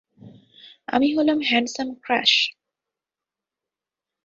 আমি হলাম handsome crash.